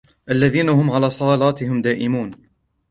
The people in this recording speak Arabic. الَّذِينَ هُمْ عَلَى صَلاتِهِمْ دَائِمُونَ